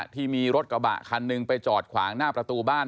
ที่มีรถกระบะคันหนึ่งไปจอดขวางหน้าประตูบ้าน